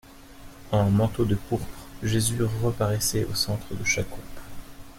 En manteau de pourpre, Jésus reparaissait au centre de chaque groupe.